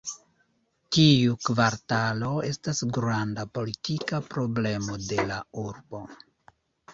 Tiu kvartalo estas granda politika problemo de la urbo.